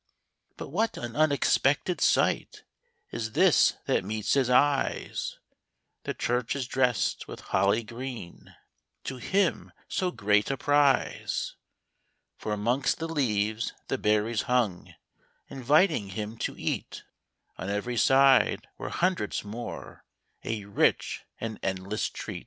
But what an unexpected sight Is this that meets his eyes ! The church is dressed with holly green, To him so great a prize. For 'mongst the leaves the berries hung, Inviting him to eat ; On every side were hundreds more,— A rich and endless treat.